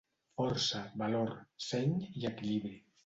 Força, Valor, Seny i Equilibri.